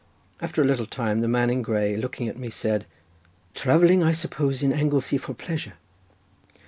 After a little time the man in grey looking at me said: "Travelling I suppose in Anglesey for pleasure?"